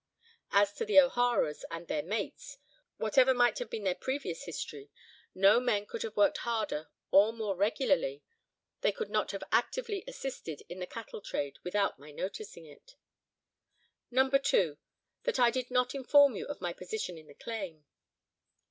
As to the O'Haras, and their 'mates,' whatever might have been their previous history, no men could have worked harder, or more regularly; they could not have actively assisted in the cattle trade without my noticing it. "No. 2. That I did not inform you of my position in the claim.